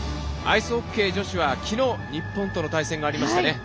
アイスホッケー女子は昨日、日本との対戦がありました。